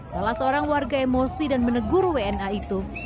salah seorang warga emosi dan menegur wna itu